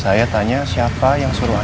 saya tanya siapa yang suruh